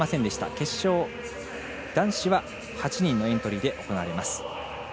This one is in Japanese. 決勝、男子は８人のエントリーで行われます。